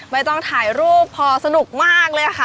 ไม่ต้องถ่ายรูปพอสนุกมากเลยค่ะ